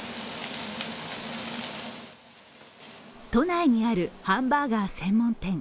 都内にあるハンバーガー専門店。